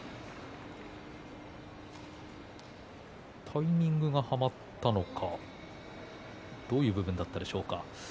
タイミングがはまったのかどういう部分だったでしょうか。